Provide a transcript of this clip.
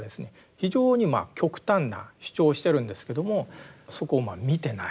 非常に極端な主張をしてるんですけどもそこを見てない。